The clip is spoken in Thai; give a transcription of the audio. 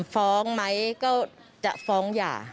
ฟ้องไหมก็จะฟ้องหย่า